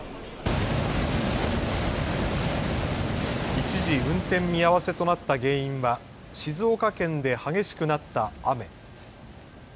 一時、運転見合わせとなった原因は静岡県で激しくなった雨。